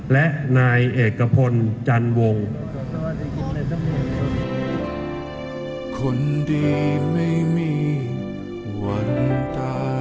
และนายเอกพลจันวง